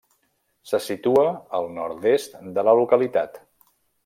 Se situa al nord-est de la localitat.